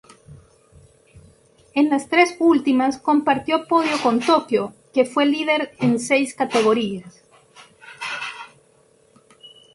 En las tres últimas compartió podio con Tokio, que fue líder en seis categorías.